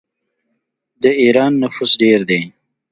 د ایران نفوس ډیر دی.